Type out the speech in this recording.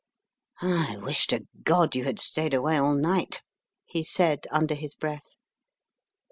"I wish to God you had stayed away all night," he said under his breath.